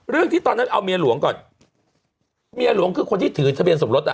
ที่ตอนนั้นเอาเมียหลวงก่อนเมียหลวงคือคนที่ถือทะเบียนสมรสอ่ะ